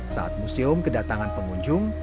saat museum kedatangan pengunjung